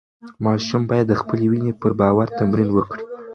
ماشوم باید د خپلې وینې پر باور تمرین وکړي.